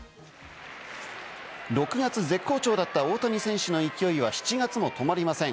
６月絶好調だった大谷選手の勢いは７月も止まりません。